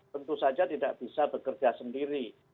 tentu saja tidak bisa bekerja sendiri